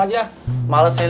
kayak kamu cakep aja dang